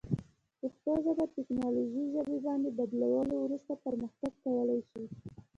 پښتو ژبه تکنالوژي ژبې باندې بدلیدو وروسته پرمختګ کولی شي.